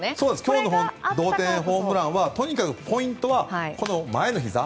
今日の同点ホームランはとにかくポイントは前のひざ。